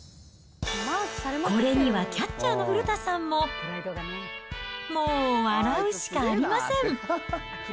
これにはキャッチャーの古田さんも、もう笑うしかありません。